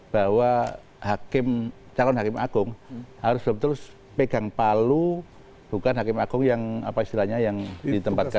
bahwa hakim calon hakem agung harus berubah terus pegang palu bukan hakem agung yang apa istilahnya yang ditempatkan